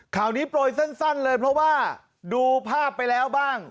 ข่าวนี้โปรยสั้นเลยเพราะว่าดูภาพไปแล้วบ้าง